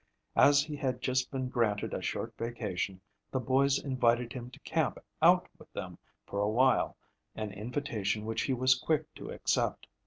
As he had just been granted a short vacation, the boys invited him to camp out with them for a while, an invitation which he was quick to accept.